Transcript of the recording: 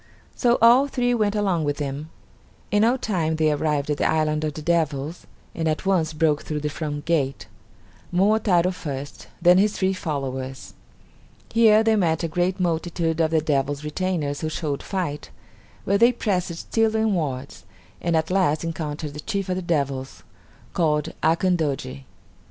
So all three went along with him. In no time they arrived at the island of the devils, and at once broke through the front gate; Momotaro first; then his three followers. Here they met a great multitude of the devils' retainers who showed fight, but they pressed still inwards, and at last encountered the chief of the devils, called Akandoji.